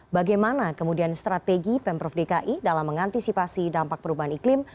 bagaimana kemudian strategi pemprov dki dalam mengantisipasi dampak perubahan iklim